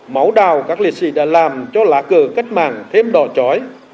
máu đào các liệt sĩ đã làm cho lã cờ cách mạng thêm đỏ trói